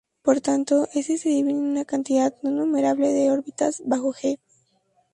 Por tanto, "S" se divide en una cantidad no numerable de órbitas bajo "G".